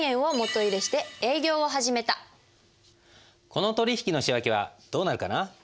この取引の仕訳はどうなるかな？